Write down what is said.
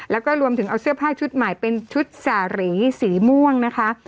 แล้วก็รวมถึงเอาเสื้อผ้าชุดใหม่เป็นชุดสารีสีม่วงนะคะ